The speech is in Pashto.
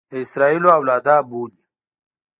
د اسراییلو اولاده بولي.